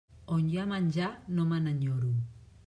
On hi ha menjar no me n'enyoro.